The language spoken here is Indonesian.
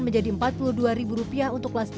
menjadi rp empat puluh dua untuk kelas tiga